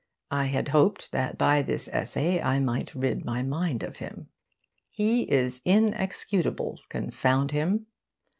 I had hoped that by this essay I might rid my mind of him. He is inexcutible, confound him!